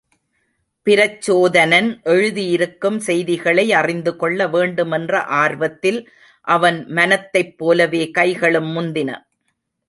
பிரச்சோதனன் எழுதியிருக்கும் செய்திகளை அறிந்துகொள்ள வேண்டுமென்ற ஆர்வத்தில் அவன் மனத்தைப் போலவே கைகளும் முந்தின.